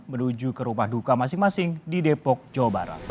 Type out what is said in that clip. menuju ke rumah duka masing masing di depok jawa barat